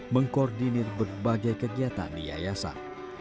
mengkoordinir berbagai kegiatan di yayasan